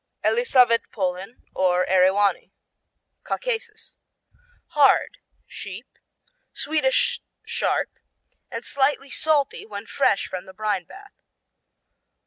Elisavetpolen, or Eriwani Caucasus Hard; sheep; sweetish sharp and slightly salty when fresh from the brine bath.